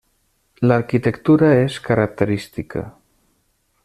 L'arquitectura és característica.